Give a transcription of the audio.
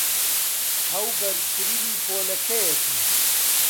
ئەو بەرزترینی پۆلەکەیەتی.